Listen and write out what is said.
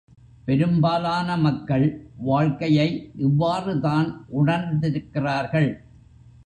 பெரும்பாலான மக்கள் வாழ்க்கையை இவ்வாறு தான் உணர்ந்திருக்கிறார்கள்.